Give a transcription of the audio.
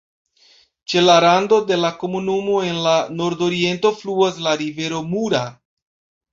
Ĉe la rando de la komunumo en la nordoriento fluas la rivero Mura.